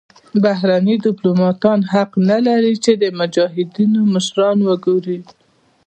بهرني دیپلوماتان حق نلري چې د مجاهدینو مشران وګوري.